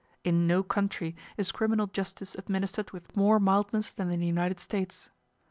In no country is criminal justice administered with more mildness than in the United States.